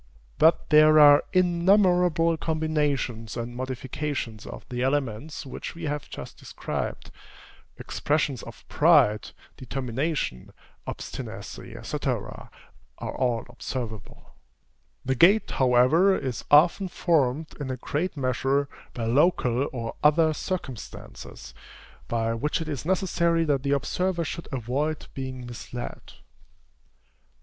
But there are innumerable combinations and modifications of the elements which we have just described. Expressions of pride, determination, obstinacy, &c., are all observable. The gait, however, is often formed, in a great measure, by local or other circumstances, by which it is necessary that the observer should avoid being misled.